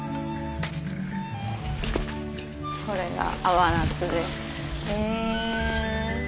これが甘夏です。